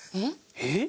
えっ？